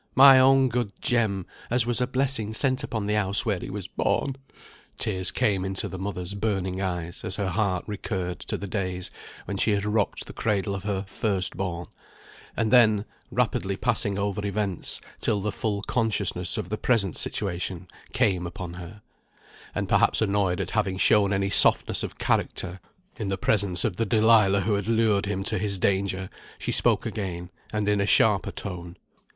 My own good Jem, as was a blessing sent upon the house where he was born." Tears came into the mother's burning eyes as her heart recurred to the days when she had rocked the cradle of her "first born;" and then, rapidly passing over events, till the full consciousness of his present situation came upon her, and perhaps annoyed at having shown any softness of character in the presence of the Dalilah who had lured him to his danger, she spoke again, and in a sharper tone.